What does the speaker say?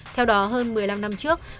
theo đó hơn một mươi năm năm trước